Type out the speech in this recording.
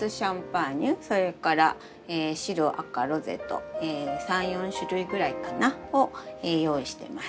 それから白赤ロゼと３４種類ぐらいかな？を用意してます。